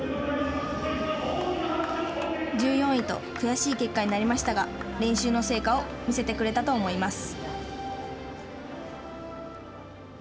１４位と悔しい結果になりましたが練習の成果を見せてくれたと思います。